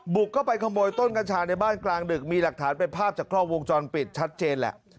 บุกเข้าไปขโมยต้นกัญชาในบ้านกลางดึกมีหลักฐานเป็นภาพจากกล้องวงจรปิดชัดเจนแหละ